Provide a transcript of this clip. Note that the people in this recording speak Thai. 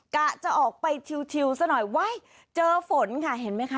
กะจะออกไปชิวซะหน่อยว้ายเจอฝนค่ะเห็นไหมคะ